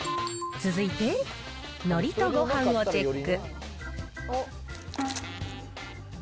続いて、のりとごはんをチェック。